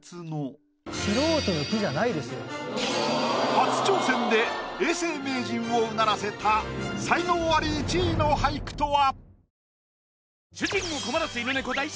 初挑戦で永世名人を唸らせた才能アリ１位の俳句とは⁉